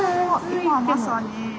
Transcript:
今まさに。